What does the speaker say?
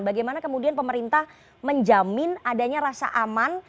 bagaimana kemudian pemerintah menjamin adanya rasa aman